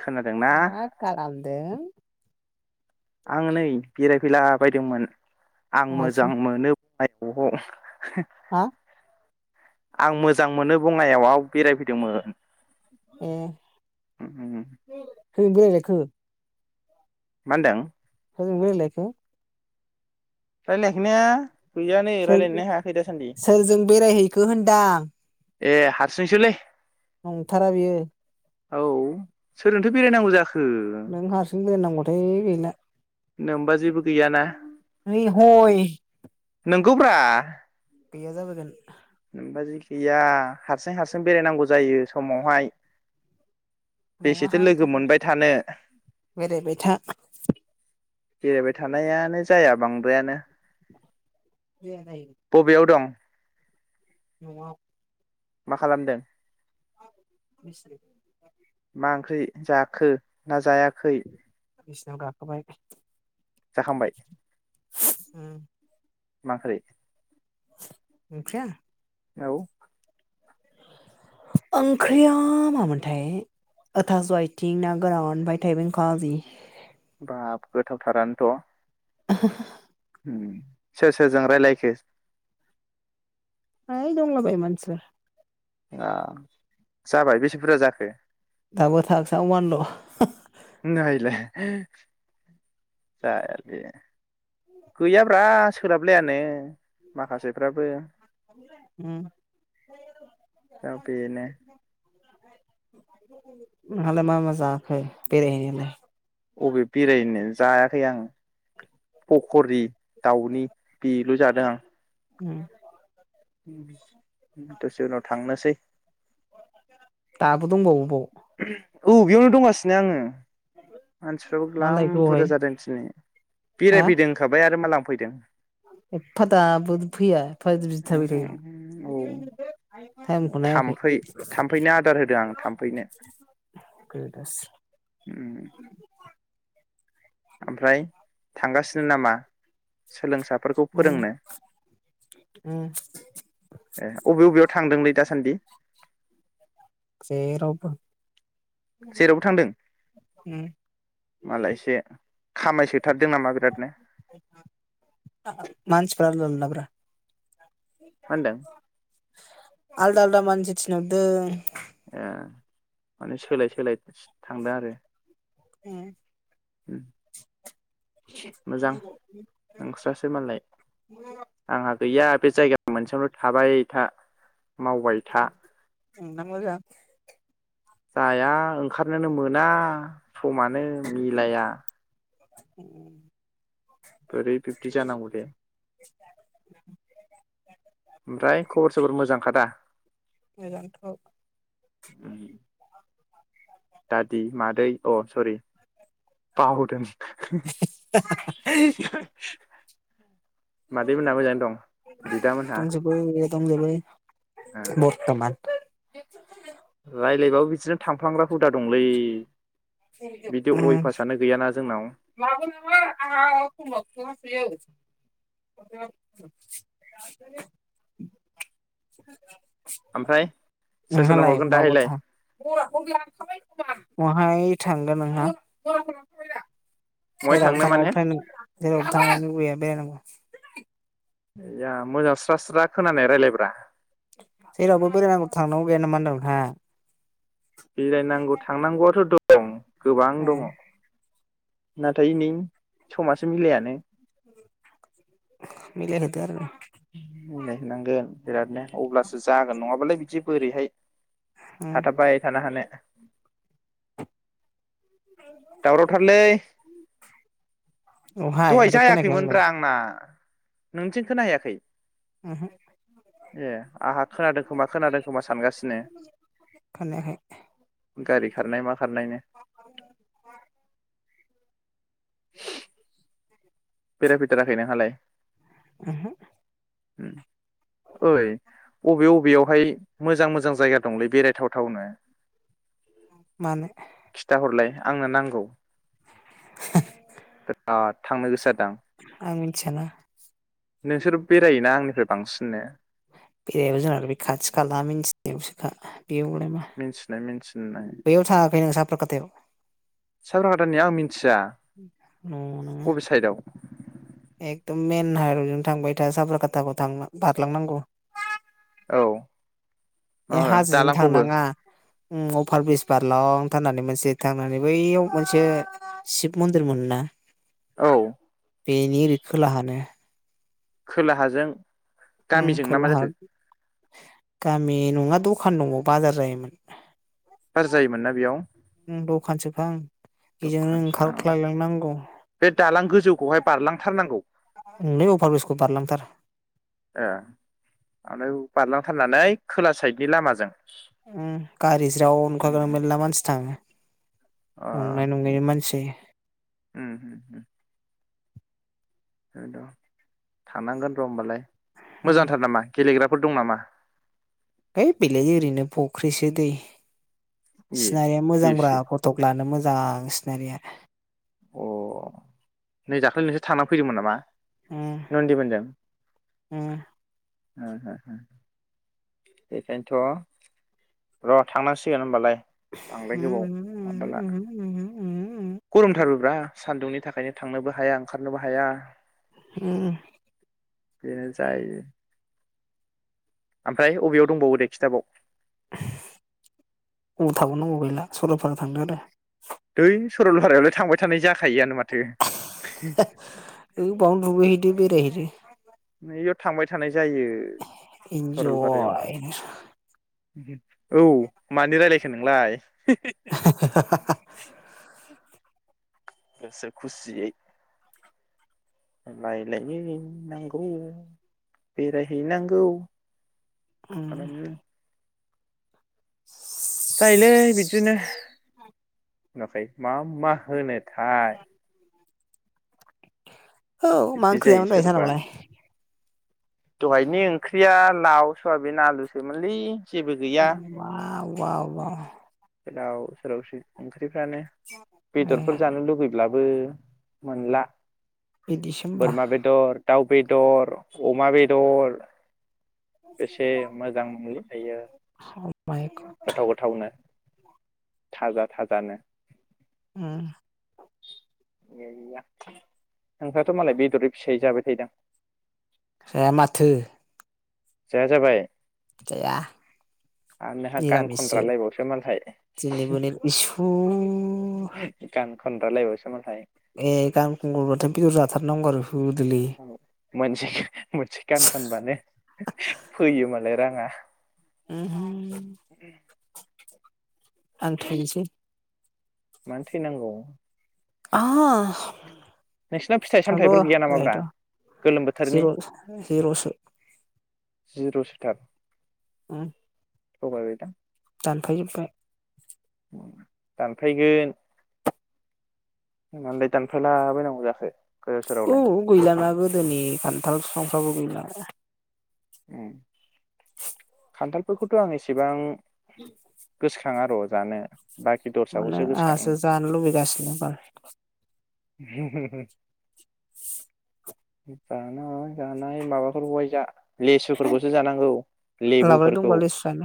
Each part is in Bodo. खोनादोंना मा खालामदों? आं नै बेरायफैला बायदोंमोन । आं अहायसो मोजां मोनो । [unintelligible] हा । आं मोजां मोनो बङाइाव बेरायफैदोंमोन । ए उम । हो बेलेख हो । मा होनदों? सोरजों रायलायखो? रायलायाखैनो। सोर सोरजों बेरायहैखो होनदां? ए हारसिंसोलै । नंथारा बेयो । औ सोरजोंनोथ' बेरायनांगौ जाखो? नों हारसिं गोदान नांगौबाथाय गैला । नोंमबाजैबो गैयाना । नै हय । नंगौब्रा । गैया जाबोगोन । गैया हारसिं हारसिं बेरायनांगौ जायो समावहाय । नङाहायथ थगायदों बेरायबाय था । बेरायबाय थानायानो जाया बांद्रायानो जाया जायो । बबेयाव दं? नआव । मा खालामदों? बिसि मा ओंख्रि? जाखो ना जायाखै? बिसनायाव गाखोबाय। जाखांबाय हो। माख्रै। ओंख्रिया। औ। ओंख्रिया मामोनथाय ओ थास आथिं ना गोरान ओमफाय थाइबें खाजि। बाब गोथावथारानोथ'। [inaudible] [unintelligible] सोर सोरजों रायलायखो? ओइ दंलाबायो मानसिफोर। जाबाय बेसे बुरजा जाखो? दाबो थाग्सा अवानल'। नायलाय [unintelligible] गैयाब्रा सोलाबलायानो माखासेफ्राबो उम दा बेनो। [unintelligible] नोंहालाय मा मा जाखो बेरायहैनोलाय। अबे बेरायनो जाया खै आं। फखरि। दाउनि पि लु जादो आं। ओम। [unintelligible] दसे उनाव थांनोसै। [unintelligible] दंबावोबाव। औ बेयावनो दंगासिनो आङो। मानसिफ्राबो मा ग्लाम लायखो बावहाय बुरजा जादों दिनै हा बेरायफैदों होनखाबाय आरो मा ग्लाम फैदों। एफा दाबो फैया फा बिदि थाबाय थायो [unintelligible] नायाखै थामफै थामफैनो आदार होदो आं थामफैनो गोदासो ओम। ओमफ्राय थांगासिनो नामा सोलोंसाफोरखौ उम फोरोंनो ए उम अबे अबेयाव थांदोंलै दासान्दि? जेरावबो। उम। मालायसो खामायसोथारदों नामा बिरादनो। [unintelligible] मानसिफ्रा [unintelligible] मा होनदों [unintelligible] आलदा आलदा मानसि थिनहरदों। ए माने सोलाय सोलाय सो थांदों आरो। उम। उम। मोजां नोंस्रासो मालाय आंहा गैया बे जायगाया मोनसेयावनो थाबाय था। मावबाय था। नोंना मोजां जाया ओंखारनोनो मोना। समानो मिलाया उम बोरै बिबदि जानांगौदे [unintelligible] ओमफ्राय खबर सबर मोजांखादा? मोजांथ' दादि मादै अ सरि बावदों [inaudible] [unintelligible] मादै मोनहा मोजाङै दं बिदामोनहा। दंजोबो दंजोबो बरथमान। [unintelligible] रायज्लायबाबो बिदिनो थांफ्लांग्रा हुदा दंलै। [unintelligible] [unintelligible] बिदि अयभासानो गैयाना जोंनाव ओमफ्राय सोर सोरनो नोंहालाय हरगोन दाहायलाय माबावथा बहाय थांगोन नोंहा? [unintelligible] बहाय जेरावबो थांनो माने थानो लुगैया बेरायनांगौ। जा मोजां स्रा स्रा खोनानाय रायलायब्रा जेरावबो बोराय नांगौ थांनांगौ गैया नामा होनदो नोंहा? बेरायनांगौ थांनांगौ आ दं गोबां ए दंङ। नाथाय नै समासो मिलायानो मिलाया थो आरो। मिलायहोनांगोन बिरादनो अब्लासो जागोन नंङाबालाय बिदि बोरैहाय उम थाथाब बाय थानो हानो दावरावथारलै अहाय दहाय माथो खोनायाखै आंलाय जायाखैमोनब्रा आंना नोंथिं खोना हैयाखै? उमहो ए आहा खोनायाखै गारि खारनाय मा खारनायनो बेरायफैथाराखै नोंहालाय? उहो उम ओय अबे अबे यावहाय मोजां मोजां जायगा दंलै बेरायथावथावनो? मानो खिथाहरलाय आंनो नांगौ बिराद थांनो गोसो जा आं मोनथियाना नोंसोर बेरायोना आंनिफ्राय बांसिननो बेरायोबा जाहा बे खाथि खाला मिथिनायावसोखा बेयावलाय मा मिन्थिनाय मिथि नाय बैयाव थाङाखै नों साफ्राकातायाव साब्राकाटानिया आं मिथिया न' नोङो अबे साइदआव? एकदम मेन हाइरडजों थांबाय था साब्राकाताखौ थां बारलांनांगौ । औ ए माबा हाजोजों दालांखौबो थांनांङा उम अभार ब्रिज बारलां थारनानै मोनसे थांनानै बैयाव मोनसे शिब मन्दिर मोनो ना औ। बेनि ओरै खोलाहानो। खोलाहाजों। उम गामिजों ना मा खोलाहा। जाखो गामि नङा दखान दंङ बाजार जायोमोन। हार जायोमोन ना बेयाव। दखानसो फां। दखान ओ बे दालां गोजौखौहाय बारलां थारनांगौ। नै अफार ब्रिजखौ बारलांथार। आमफ्राय बारलांथारनानै खोला साइदनि लामाजों। उम गारि ज्राव नुखागोन उम मेलला मानसि थांङो। अ उम उम उम उम। बे द' थानांगोन र' होमबालाय। उम मोजांथार नामा गेलेग्रा फोर दं नामा? होइ बेलाय ओरैनो फख्रिसो दै। ए सिनारिया पि एफ मोजांब्रा सि फट'क लानो मो जां सिनारिया। अ नै दाखालै नोंसोर थांनानै फैदोंमोन नामा? उम नन्दि मोनजों। बेखायनोथ' र' थांनांसिगोन होमबालाय। बांद्राय गोबाव माबाला। उम उम गरम थारबोब्रा। सान्दुंनि थाखायनो थांनोबो हाया ओंखारनोबो हाया। उम। बेनो जायो। ओमफ्राय अबेयाव दंबावो दे खिथाबाव। अबाव थाबावनांगौ गैला सरलपारा थांदो आरो। दै सरलफारायावलाय थांबाय थानाय जाख ओ बावनो दुगैहैदो बेरायहैदो। नैयाव थांबाय थानाय जायो सरलपारायाव इनजय। औ मानो रायलायखो नोंलाय। [inaudible] गोसो खुसियै। रायलायहैनांगौ बेरायहैनांगौ। उम [inaudible] जायोलै बिदिनो। नुवाखै मा मा होनो। थाइ। औ मा बिब्दि ओंख्रि जायो जायामोन दहाय सोरबा सानावलाय? दहायनि ओंख्रिया लाव स'वाबिन आलुसोमोनलै। जेबो गैया [inaudible] वाव वाव। गोदाव सोरावसै। फ्रानो बेदरफोर ए जानो लुुबै ब्लाबो मोनला। बिदिसो बोरमा बेदर। दाउ बेदर अमा बेदर। बेसे मोजां मोनलै दायो गोथाव गोथावनो [inaudible] थाजा थाजानो। उम। गैया नोंस्राथ' मालाय बेदरै फिसायै जाबाय थायोदां? जाया माथो। जाया जाबाय। जाया आरो नोंहा गान निरामिससो। खनग्रालायबावसो मालाय खनग्रा लायबावासै मालाय। ए गान खुंगुरबाथ' बेदर जाथारनांगौ आरो होदो बुलि [inaudible] मोनसे [inaudible] मोनसे गान फानबानो फैयो मालाय। [inaudible] ओहोम। आं थैनोसै। मानो थैनांगौ? आ। नोंसिनाव फिथाइ थांद'' सामथाइफोर गैया नामाब्रा गोलोम [inaudible] जिर' सोथार। उम। थगायबाय था। दानफायजोबबाय। दानफायगोन माननलाय दानफालाबायनांगौ जाखो? गोदाव औ सोरावलाय गैलाना गोदोनि खान्थाल फिफां बो गैला उम खान्थालफोरखौथ' आं एसेबां [inaudible] गोसोखाङा र' जानो बाखि माने दस्राखौसो गोसोखाङो आंहासो जानो लुगैगासिनो बा जानो जानाय माबाफोरखौहाय जा लेसुफोरखौसो जानांगौ लाब्राय लेबुफोरखौ दंबा लेसु जानो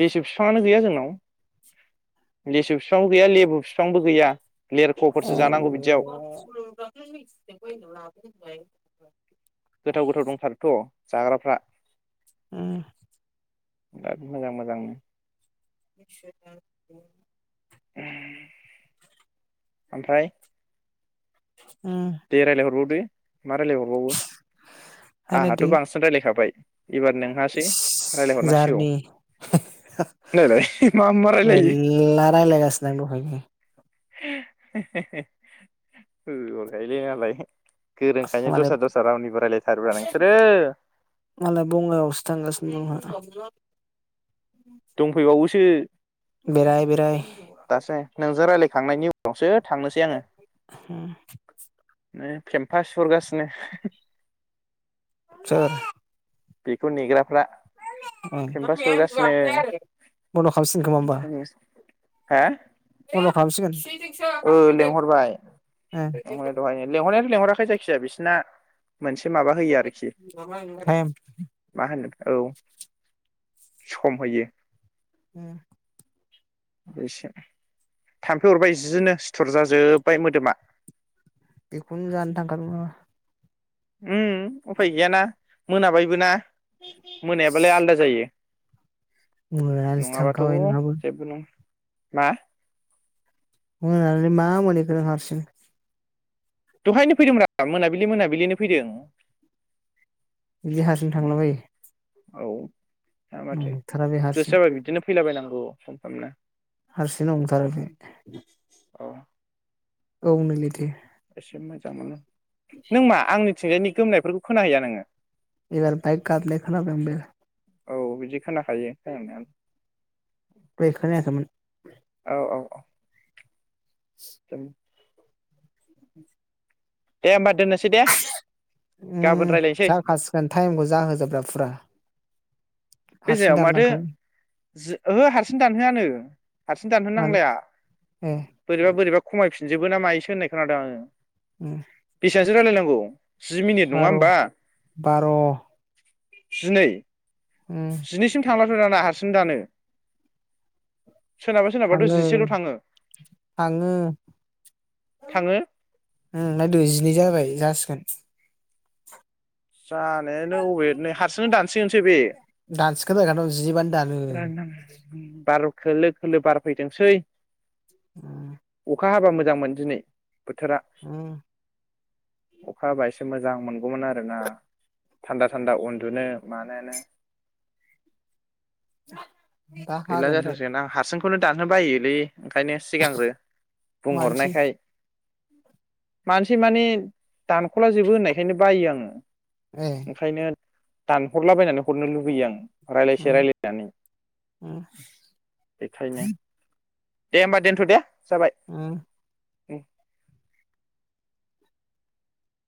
लेसु बिफांआनो गैया जोंनाव लेसु बिफांबो गैया लेबु बिफांबो गैया लेरख'फोरसो जानांगौ बिदियाव अ [inaudible] गोथाव गोथाव दंथारोथ' जाग्राफ्रा उम बिराद मोजां मोजां [unintelligible] ओमफ्राय दे रायज्लाय हरबावदे मा रायजलायहरबावो आंहाथ' बांसिन रायलायखाबाय एबार नोंहासै रायलायहरनांसिगौ नायलाय मा मा रायलायो आं दहायनो [unintelligible] मालाय दस्रा दस्रा रावनिबो रायलायथारोब्रा नोंसोरो मालाय बङायवावसो थांगासिनो दं दंफैबावोसो बेराय बेराय दासो नोंजों रायलायखांनायनि उनावसो थांनोसै आङो उम फेम्फास सुहरगासिनो सोर बेखौ निग्रा बन्द'खामसिनगोन खोमा होमबा हा बन्द खामसिगोन ओ लेंहरबाय लिहरनाय दहाय लेंहरनायाथ' लेंहराखै जायखिजाया बिसि ना मोनसे माबा होयो आरोखि ओ टाइम मा होनो औ सम होयो उम एसे थाम्फै अरबाय जिनो सिथुर जाजोब्बाय मोदोमा। बेखौनो जानो थांखादों ओह उम उफाय गैयाना मोनाबायबो ना मोनायाबालाय आलादा जायो। मोनानानैसो नङाबाथ' थांखाबाय नोंहाबो। जेबो नङा मा? मोनाना मा मोनहैखो नों हारसिं। दहायनो फैदोंमोन मोनाबिलि मोनाबिलिनो फैदों। बिदि हारसिं थांला बायो। औ हा माथो बे हारसिं गोसो जाबा बिदिनो फैलाबायनांगोन औ फन खामनाय। हारसिं नंथारालै बे। औ औ नैलाय थो। एसे मोजां मोनो। नों मा आंनि थिंजायनि गोमनायफोरखौ खोनाहैया नोङो? एबार बाइक गाबनाय खोनाबाय बे औ बिदि खोनाखायो हो नोंथां। दैहय खोनायाखैमोन । औ औ औ [inaudible] दे होमबा दोननोसै दे गाबोन उम रायलायनोसै जाखासिगोन टाइमखौ जाहोजोबदो फुरा बे हारसिं जायाव माथो दानलांखायो जो ओंहो हारसिं दानहोआनो ओं हारसिं दानहोन मानो नांलाया ए बोरैबा बोरैबा खमायफिन जोबो ना मायोसो होननाय खोनादों आङो। उम बिसांसो राज्लायनांगौ? औ जि मिनिट नङा बार' होमबा। बार' उम जिनै। जिनैसिम थांना फोराना हारसिं दानो सोरनाबा सोरनाबाथ' थाङो जिसेल' थाङो थाङो थाङो नायदो जिनै जाबाय । जासिगोन जानायानो अबे नै हारसिंनो दानसिगोनसो बे दानसिगोन जाहैखागोन र' जिनैबानो दानो बार' खोलो खोलो बारफैदोंसै ओम। अखा हाबा मोजांमोन दिनै बोथोरा उम अखा हाबा एसे मोजां मोनगौमोन आरोना थान्दा थान्दा उन्दुनो मानोनो [inaudible] गैला हागोन बे जाथारसोन आं हारसिं बेखौनो दानानो बायोलै ओंखायनो सिगांग्रो मानसि बुंहरनायखाय मानसि माने दानख'ला जोबो होननायखायनो बायो आङो ए ओंखायनो दानहरलाबायनानै हरनो लुुबैयो आं। रायज्लायसे उम रायज्लायनानै [inaudible] बेखायनो दे होमबा दोनथ' दे। ओम। दे।